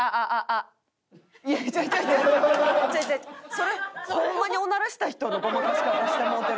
それホンマにオナラした人のごまかし方してもうてるから。